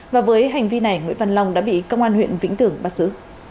và với hành vi này nguyễn văn long đã bị công an huyện vĩnh tường bắt giữ